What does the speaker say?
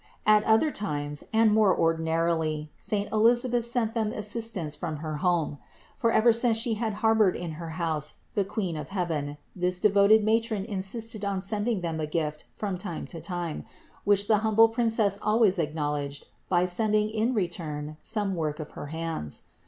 At other times, and more ordi narily, saint Elisabeth sent them assistance from her home ; for ever since She had harbored in her house the Queen of heaven this devoted matron insisted on sending them a gift from time to time, which the humble Princess always acknowledged by sending in return some work of her hands.